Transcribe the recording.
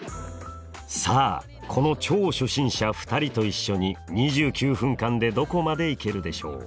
さあこの超初心者２人と一緒に２９分間でどこまでいけるでしょう？